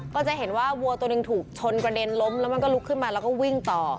ก็จะเห็นว่าวัวตัวหนึ่งถูกชนกระเด็นล้มแล้วมันก็ลุกขึ้นมาแล้วก็วิ่งต่อ